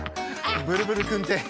ブルブルくんって。